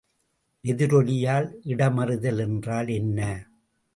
எதிரொலியால் இடமறிதல் என்றால் என்ன?